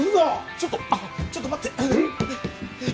ちょっとあっちょっと待って。